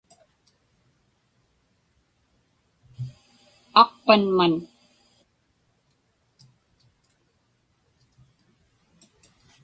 aqpanman